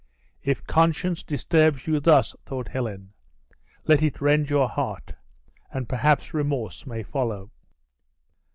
"If conscience disturbs you thus," thought Helen, "let it rend your heart, and perhaps remorse may follow!"